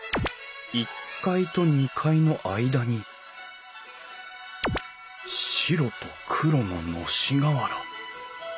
１階と２階の間に白と黒ののし瓦。